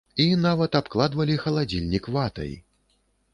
І нават абкладвалі халадзільнік ватай!